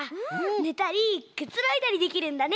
ねたりくつろいだりできるんだね。